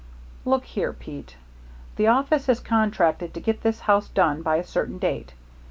"Look here, Pete. The office has contracted to get this house done by a certain date.